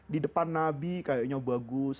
di depan nabi kayaknya bagus